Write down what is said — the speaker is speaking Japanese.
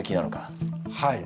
はい。